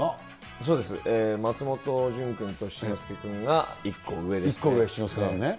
そうです、松本潤君と七之助君が１個上ですね。